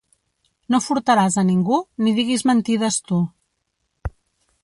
No furtaràs a ningú, ni diguis mentides tu.